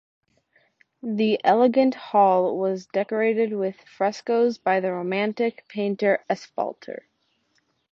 The elegant hall was decorated with frescoes by the Romantic painter Espalter.